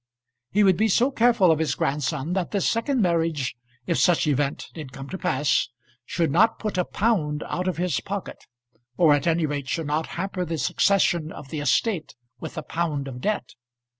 He would be so careful of his grandson that this second marriage if such event did come to pass should not put a pound out of his pocket, or at any rate should not hamper the succession of the estate with a pound of debt.